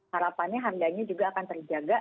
harapannya harganya juga akan terjaga